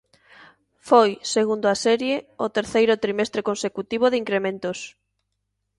Foi, segundo a serie, o terceiro trimestre consecutivo de incrementos.